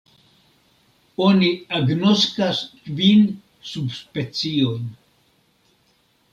Oni agnoskas kvin subspeciojn.